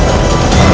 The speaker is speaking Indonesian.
itu udah gila